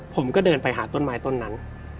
ผมก็เดินไปหาต้นไม้ต้นนั้น